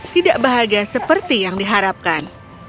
tidak bahagia seperti yang diharapkan